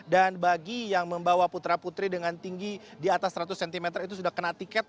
dan bagi yang membawa putra putri dengan tinggi di atas seratus cm itu sudah kena tiket